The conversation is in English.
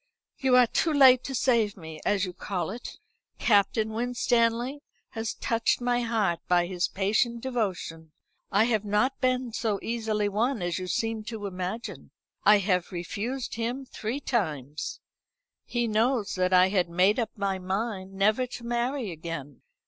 "You are too late to save me, as you call it. Captain Winstanley has touched my heart by his patient devotion, I have not been so easily won as you seem to imagine. I have refused him three times. He knows that I had made up my mind never to marry again.